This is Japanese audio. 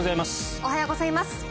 おはようございます。